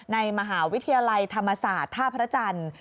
ในมหาวิทยาลัยธรรมศาสตร์ท่าพระจันทร์